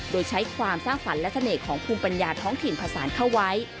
โดยใช้ความสร้างสรรค์และเสน่ห์ของภูมิปัญญาท้องถิ่นผสานเข้าไว้